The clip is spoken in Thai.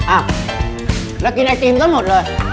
อ่ะแล้วกินไอซีมทั้งหมดเลย